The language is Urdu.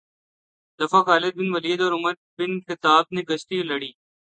دفعہ خالد بن ولید اور عمر بن خطاب نے کشتی لڑی